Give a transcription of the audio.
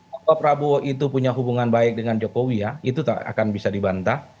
bahwa prabowo itu punya hubungan baik dengan jokowi ya itu akan bisa dibantah